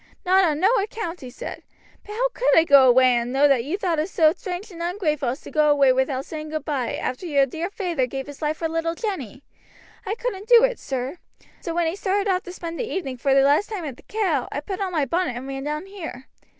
Not on no account, he said. But how could I go away and know that you had thought us so strange and ungrateful as to go away without saying goodby after your dear feyther giving his life for little Jenny. I couldn't do it, sir. So when he started off to spend the evening for the last time at the 'Cow' I put on my bonnet and ran down here.